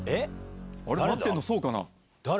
立ってるのそうかな。